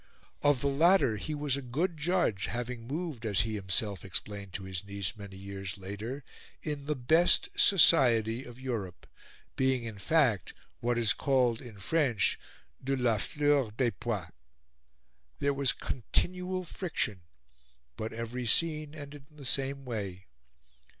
Of the latter he was a good judge, having moved, as he himself explained to his niece many years later, in the best society of Europe, being in fact "what is called in French de la fleur des pois." There was continual friction, but every scene ended in the same way.